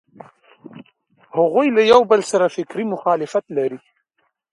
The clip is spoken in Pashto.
هغوی له یوبل سره فکري مخالفت لري.